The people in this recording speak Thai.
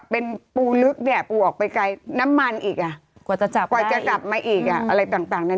เป็นไงจ้าของอร่อย